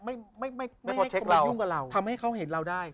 ทำไมเขาให้เห็นเราได้